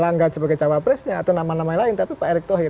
ya nama pak elangga sebagai capresnya atau nama namanya lain tapi pak erik thohir